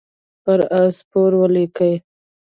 پر آس سپور ولیکئ.